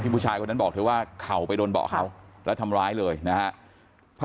ผู้ชายคนนั้นบอกเธอว่าเข่าไปโดนเบาะเขาแล้วทำร้ายเลยนะฮะ